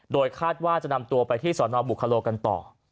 โดยคาดว่าจะนำตัวไปที่สนบุคโลกันต่อ